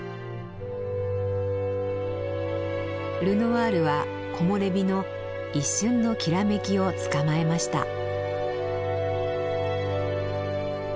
ルノワールは木漏れ日の一瞬のきらめきをつかまえました。